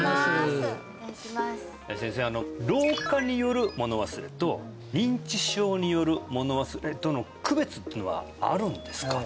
老化によるもの忘れと認知症によるもの忘れとの区別ってのはあるんですか？